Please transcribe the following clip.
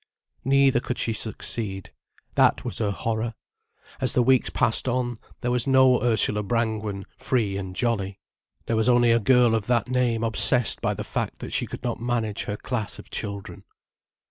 Neither could she succeed. That was her horror. As the weeks passed on, there was no Ursula Brangwen, free and jolly. There was only a girl of that name obsessed by the fact that she could not manage her class of children.